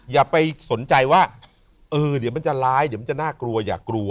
อย่าไปสนใจว่าเออเดี๋ยวมันจะร้ายเดี๋ยวมันจะน่ากลัวอย่ากลัว